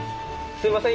すいません